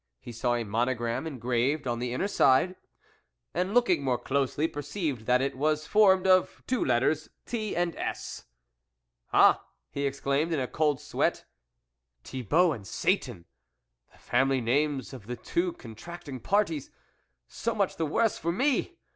He saw a mono gram engraved on the inner side, and looking more closely, perceived that it was formed of two letters, T. and S. " Ah !" he exclaimed, in a cold sweat, " Thibault and Satan, the family names of the two contracting parties. So much the worse for me!